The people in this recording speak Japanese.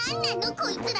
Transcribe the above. こいつら。